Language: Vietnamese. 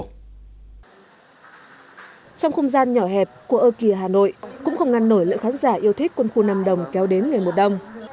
trong không gian nhỏ hẹp của ơ kỳ hà nội cũng không ngăn nổi lượng khán giả yêu thích quân khu nam đồng kéo đến ngày mùa đông